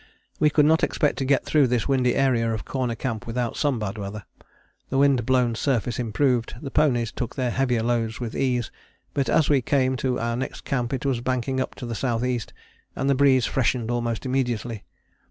" We could not expect to get through this windy area of Corner Camp without some bad weather. The wind blown surface improved, the ponies took their heavier loads with ease, but as we came to our next camp it was banking up to the S.E. and the breeze freshened almost immediately.